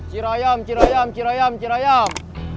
cira yam cira yam cira yam cira yam